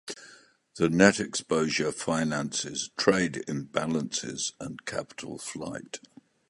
The net exposure finances trade imbalances and capital flight.